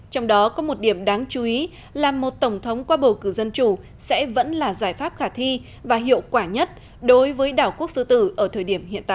trong đó có một điểm đáng chú ý là một tổng thống qua bầu cử dân chủ sẽ vẫn là giải pháp khả thi và hiệu quả nhất đối với đảo quốc sư tử ở thời điểm hiện tại